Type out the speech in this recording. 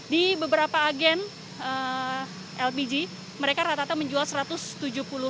di beberapa agen lpg mereka rata rata menjual rp satu ratus tujuh puluh